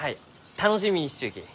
楽しみにしちゅうき。